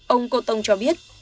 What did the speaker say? ông cô tông cho biết